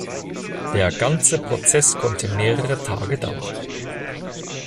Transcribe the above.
Der ganze Prozess konnte mehrere Tage dauern.